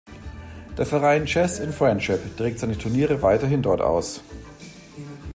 Der Verein Chess in Friendship trägt seine Turniere weiterhin dort aus.